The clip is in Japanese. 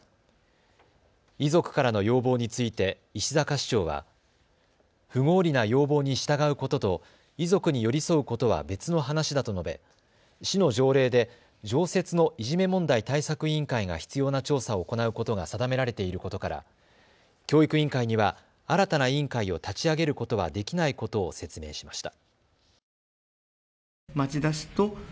遺族からの要望について石阪市長は不合理な要望に従うことと遺族に寄り添うことは別の話だと述べ市の条例で常設のいじめ問題対策委員会が必要な調査を行うことが定められていることから教育委員会には新たな委員会を立ち上げることはできないことを説明しました。